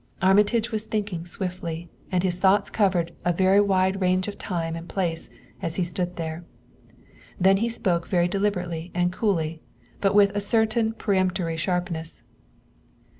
Armitage was thinking swiftly, and his thoughts covered a very wide range of time and place as he stood there. Then he spoke very deliberately and coolly, but with a certain peremptory sharpness.